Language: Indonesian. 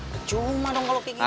kecuma dong kalau kayak gitu